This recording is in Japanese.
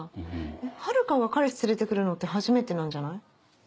遥が彼氏連れてくるのって初めてなんじゃない？